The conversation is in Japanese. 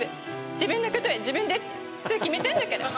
自分のことは自分でってそう決めたんだから。